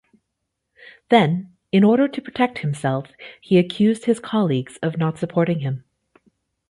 Then, in order to protect himself, he accused his colleagues of not supporting him.